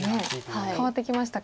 変わってきましたか。